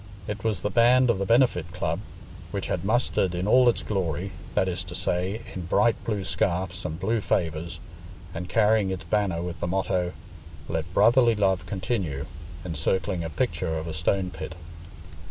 It was the band of the Benefit Club, which had mustered in all its glory—that is to say, in bright blue scarfs and blue favours, and carrying its banner with the motto, "Let brotherly love continue," encircling a picture of a stone pit.